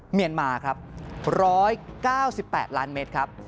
เมียนมาครับ๑๙๘ล้านเมตรครับ